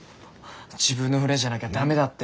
自分の船じゃなきゃ駄目だって。